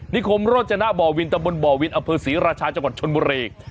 คมโรจนะบ่อวินตะบนบ่อวินอำเภอศรีราชาจังหวัดชนบุรี